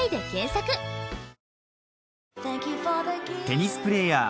テニスプレーヤー